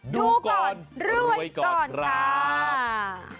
ดูก่อนรวยก่อนค่ะ